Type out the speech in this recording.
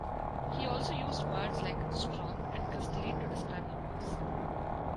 He also used words like "strong" and "crystalline" to describe her voice.